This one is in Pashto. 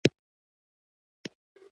دوی وظیفه پاکه او سپیڅلې هم ده.